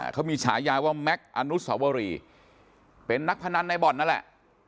เขามีฉายาว่าแม็กซ์อนุสวรีเป็นนักพนันในบ่อนนั่นแหละ